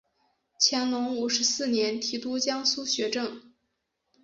乾隆五十四年提督江苏学政。